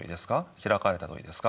開かれた問いですか？